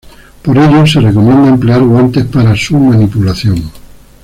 Por ello, se recomienda emplear guantes para su manipulación.